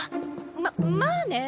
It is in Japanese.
ままあね。